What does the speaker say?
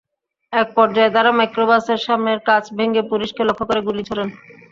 একপর্যায়ে তাঁরা মাইক্রোবাসের সামনের কাচ ভেঙে পুলিশকে লক্ষ্য করে গুলি ছোড়েন।